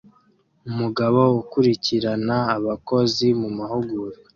Umugabo ukurikirana abakozi mumahugurwa